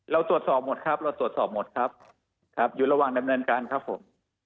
เราตรวจสอบหมดครับอยู่ระหว่างดำเนินการครับผม